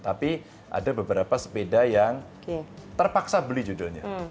tapi ada beberapa sepeda yang terpaksa beli judulnya